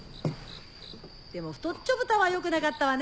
でもふとっちょぶたはよくなかったわね。